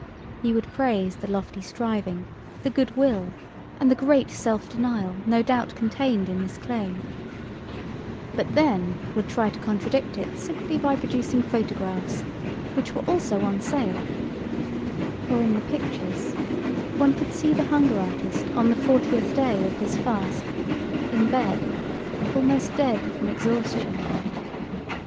He would praise the lofty striving, the good will, and the great self denial no doubt contained in this claim, but then would try to contradict it simply by producing photographs, which were also on sale, for in the pictures one could see the hunger artist on the fortieth day of his fast, in bed, almost dead from exhaustion.